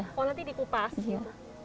oh nanti dikupas gitu